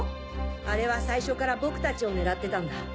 あれは最初から僕たちを狙ってたんだ。